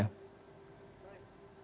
terima kasih pak mahmud atas waktunya